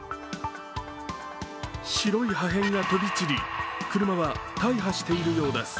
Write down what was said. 白い破片が飛び散り車は大破しているようです。